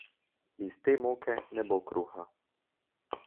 Iz te moke ne bo kruha.